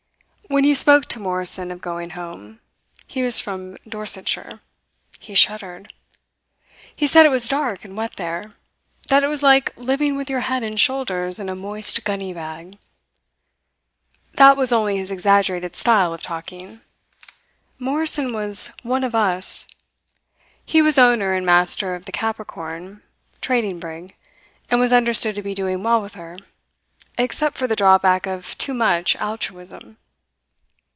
When you spoke to Morrison of going home he was from Dorsetshire he shuddered. He said it was dark and wet there; that it was like living with your head and shoulders in a moist gunny bag. That was only his exaggerated style of talking. Morrison was "one of us." He was owner and master of the Capricorn, trading brig, and was understood to be doing well with her, except for the drawback of too much altruism.